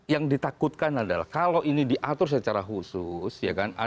yang ditakutkan adalah kalau ini diatur secara khusus